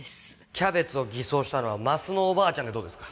キャベツを偽装したのは鱒乃おばあちゃんでどうですか？